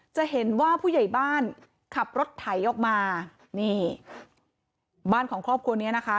จะเห็นว่าผู้ใหญ่บ้านขับรถไถออกมานี่บ้านของครอบครัวเนี้ยนะคะ